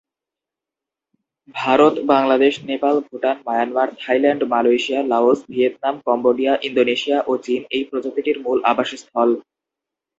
Bharat, Bangladesh, Nepal, Bhutan, Myanmar, Thailand, Malaysia, Laos, Vietnam, Cambodia, Indonesia ও চীন এই প্রজাতিটির মূল আবাসস্থল।